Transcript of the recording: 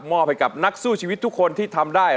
มอบให้กับนักสู้ชีวิตทุกคนที่ทำได้